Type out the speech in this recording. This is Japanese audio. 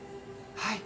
はい。